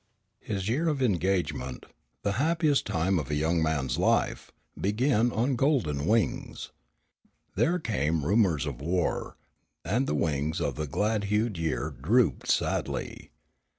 His year of engagement, the happiest time of a young man's life, began on golden wings. There came rumors of war, and the wings of the glad hued year drooped sadly.